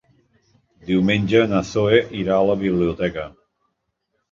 Diumenge na Zoè irà a la biblioteca.